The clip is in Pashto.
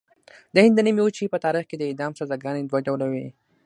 د هند د نیمې وچې په تاریخ کې د اعدام سزاګانې دوه ډوله وې.